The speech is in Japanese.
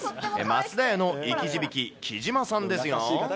増田屋の生き字引、木島さんですよ。